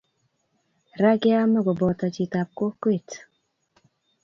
Ra keame kopoto chitap kokwet